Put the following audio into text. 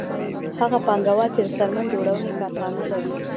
هغه پانګوال چې د څرمن جوړونې کارخانه لري